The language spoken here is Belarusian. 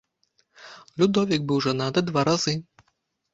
Людовік быў жанаты два разы.